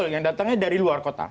yang datangnya dari luar kota